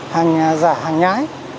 hàng giả hàng nhái